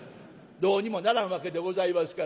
どうにもならんわけでございますからね。